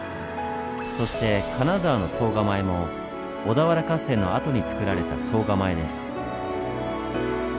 そして金沢の惣構も小田原合戦のあとにつくられた総構です。